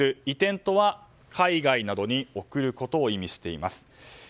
移転とは海外などに送ることを意味しています。